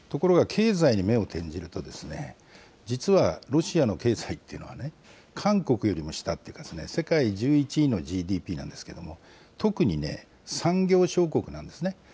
ところが、経済に目を転じると、実は、ロシアの経済っていうのはね、韓国よりも下っていうかね、世界１１位のＧＤＰなんですけれども、特に、産業小国なんですね。